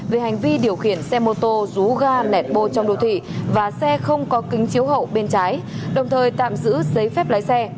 về hành vi điều khiển xe mô tô rú ga nẹt bô trong đô thị và xe không có kính chiếu hậu bên trái đồng thời tạm giữ giấy phép lái xe